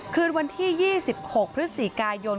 ขึ้นวันที่๒๖พฤศติกายยนต์